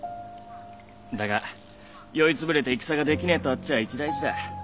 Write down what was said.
だが酔い潰れて戦ができねえとあっちゃ一大事だ。